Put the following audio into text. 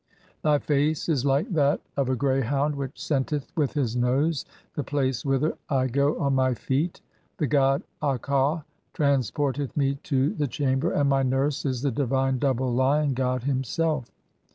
Thy face is like that of a "greyhound which scenteth with his nose the place whither I "go on my feet. The god (19) Akau transporteth me to the "chamber (?), and [my] nurse is the divine double Lion god him "self.